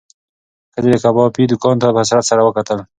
ښځې د کبابي دوکان ته په حسرت سره وکتل.